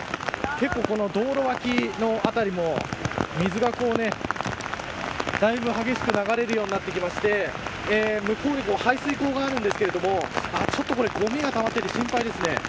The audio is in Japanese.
結構、この道路脇の辺りも水が、だいぶ激しく流れるようになってきまして向こうに排水口があるんですけどちょっとごみがたまって心配ですね。